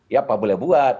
ya pak boleh buat